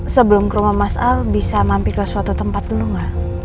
sebelum ke rumah mas al bisa mampir ke suatu tempat dulu nggak